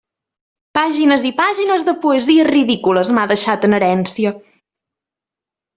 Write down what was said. Pàgines i pàgines de poesies ridícules m'ha deixat en herència!